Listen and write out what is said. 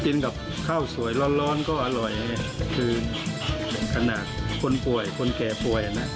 กินกับข้าวสวยร้อนก็อร่อยคือขนาดคนป่วยคนแก่ป่วยนะ